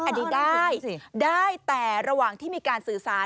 อันนี้ได้ได้แต่ระหว่างที่มีการสื่อสาร